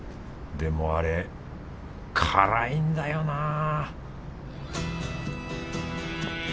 でもあれ辛いんだよな